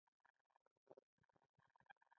ګلاب د ژوند خوشبویه شیبه ده.